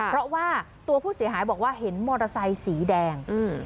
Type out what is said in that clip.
เพราะว่าตัวผู้เสียหายบอกว่าเห็นมอเตอร์ไซค์สีแดง